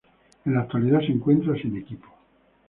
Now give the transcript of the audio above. En la actualidad se encuentra sin equipo.